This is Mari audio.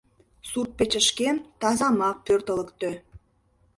Сурт-печышкем тазамак пӧртылыктӧ!